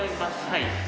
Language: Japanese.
はい。